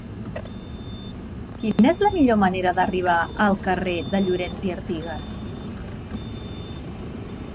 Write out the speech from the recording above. Quina és la millor manera d'arribar al carrer de Llorens i Artigas?